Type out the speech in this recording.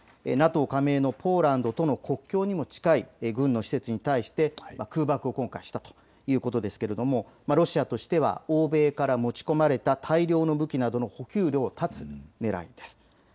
ＮＡＴＯ加盟のポーランドとの国境にも近い軍の施設に対して空爆を今回したということですがロシアとしては欧米から持ち込まれた大量の武器などの補給路を断つねらいです。